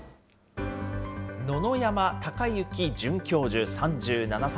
野々山貴行准教授３７歳。